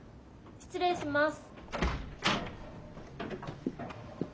・失礼します。